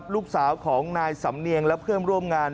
ลูกสาวของนายสำเนียงและเพื่อนร่วมงาน